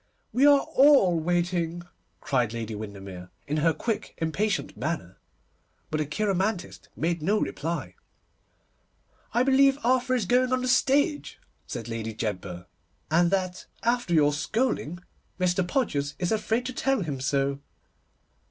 'We are all waiting,' cried Lady Windermere, in her quick, impatient manner, but the cheiromantist made no reply. 'I believe Arthur is going on the stage,' said Lady Jedburgh, 'and that, after your scolding, Mr. Podgers is afraid to tell him so.